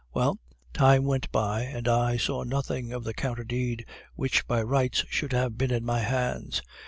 Well, time went by, and I saw nothing of the counter deed, which by rights should have been in my hands.